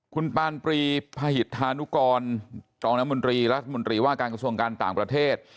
คุณปานปรีพหิตธานุกรตรองน้ำมนตรีรัฐมนตรีว่าการกระทรวงการต่างประเทศ